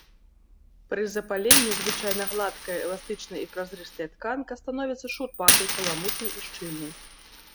Пры запаленні звычайна гладкая, эластычная і празрыстая тканка становіцца шурпатай, каламутнай і шчыльнай.